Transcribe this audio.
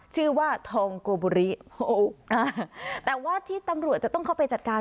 ชื่อว่าทองโกบุริแต่ว่าที่ตำรวจจะต้องเข้าไปจัดการ